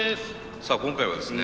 さあ今回はですね